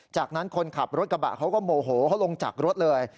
จากนั้นคนขับรถกระบะเขาก็โมโหเขาลงจากรถเลย